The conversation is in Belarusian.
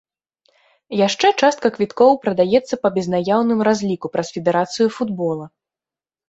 Яшчэ частка квіткоў прадаецца па безнаяўным разліку праз федэрацыю футбола.